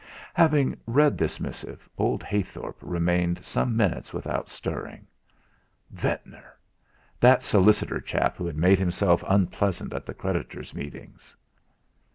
Having read this missive, old Heythorp remained some minutes without stirring. Ventnor! That solicitor chap who had made himself unpleasant at the creditors' meetings!